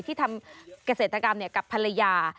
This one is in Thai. ที่ทำเกษตรกรรมกับภรรยา